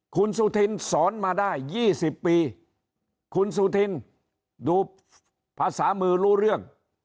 คุณสุธินสอนมาได้๒๐ปีคุณสุธินดูภาษามือรู้เรื่อง